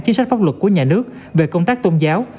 chính sách pháp luật của nhà nước về công tác tôn giáo